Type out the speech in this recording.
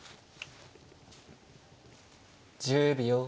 １０秒。